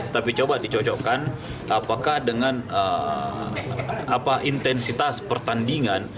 tapi coba dicocokkan apakah dengan intensitas pertandingan